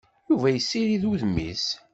Yuba yessirid udem-is.